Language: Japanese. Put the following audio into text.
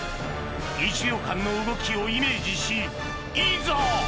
１秒間の動きをイメージしいざ！